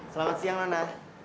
selamat siang nona